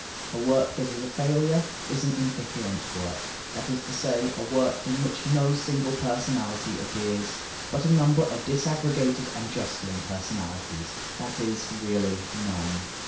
A work that is a failure is an incoherent work; that is to say, a work in which no single personality appears, but a number of disaggregated and jostling personalities, that is, really, none.